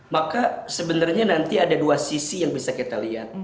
maka sebenarnya nanti ada dua sisi yang bisa kita lihat